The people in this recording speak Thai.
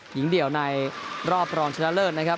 หญิงเดี่ยวในรอบรองชนะเลิศนะครับ